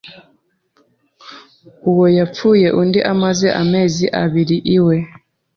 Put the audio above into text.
Uwo yapfuye undi amaze amezi abiri iwe